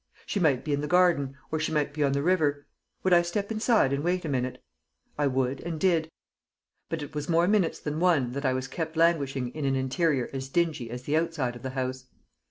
She might be in the garden, or she might be on the river. Would I step inside and wait a minute? I would and did, but it was more minutes than one that I was kept languishing in an interior as dingy as the outside of the house.